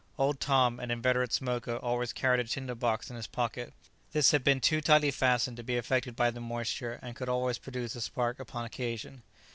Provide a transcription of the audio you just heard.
Old Tom, an inveterate smoker, always carried a tinder box in his pocket; this had been too tightly fastened to be affected by the moisture, and could always produce a spark upon occasion.